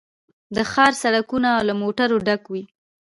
د ښار سړکونه له موټرو ډک وي